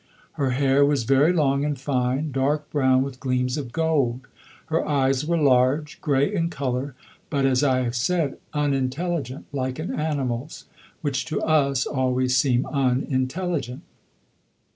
Her hair was very long and fine, dark brown with gleams of gold; her eyes were large, grey in colour, but, as I have said, unintelligent, like an animal's, which to us always seem unintelligent.